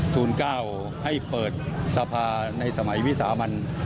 ทูล๙ให้เปิดสภาในสมัยวิสามัน